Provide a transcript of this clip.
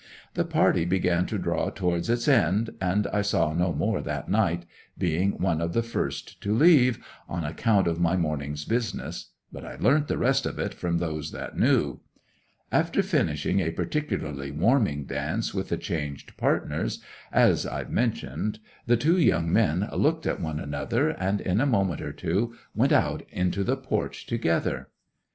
The party began to draw towards its end, and I saw no more that night, being one of the first to leave, on account of my morning's business. But I learnt the rest of it from those that knew. 'After finishing a particularly warming dance with the changed partners, as I've mentioned, the two young men looked at one another, and in a moment or two went out into the porch together.